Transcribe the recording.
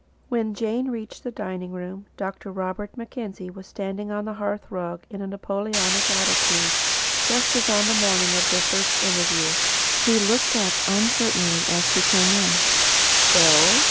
When Jane reached the dining room, Dr. Robert Mackenzie was standing on the hearth rug in a Napoleonic attitude, just as on the morning of their first interview. He looked up uncertainly as she came in. "Well?"